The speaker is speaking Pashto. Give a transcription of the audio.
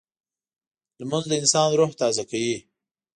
لمونځ د انسان روح تازه کوي